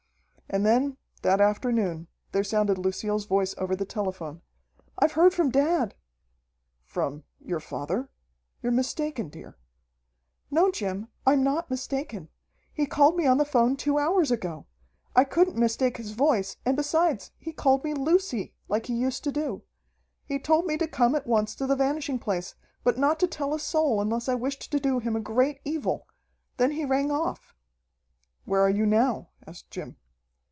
And then, that afternoon, there sounded Lucille's voice over the telephone, "I've heard from dad!" "From your father? You're mistaken, dear!" "No, Jim, I'm not mistaken. He called me on the 'phone two hours ago. I couldn't mistake his voice, and, besides, he called me "Lucy," like he used to do. He told me to come at once to the Vanishing Place, but not to tell a soul unless I wished to do him a great evil. Then he rang off." "Where are you now?" asked Jim.